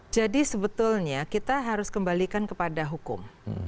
jadi sebetulnya kita harus kembalikan kepada hukum